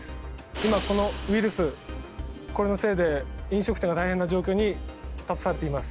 今このウイルスこれのせいで飲食店が大変な状況に立たされています